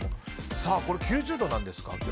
これ、９０度なんですか？